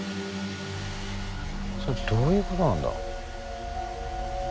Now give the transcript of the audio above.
それどういうことなんだ？